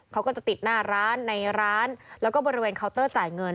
เขาก็จะติดหน้าร้านในร้านแล้วก็บริเวณเคาน์เตอร์จ่ายเงิน